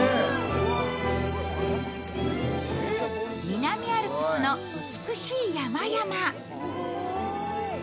南アルプスの美しい山々。